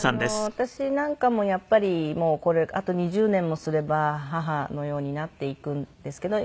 私なんかもやっぱりもうあと２０年もすれば母のようになっていくんですけど。